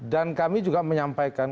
dan kami juga menyampaikan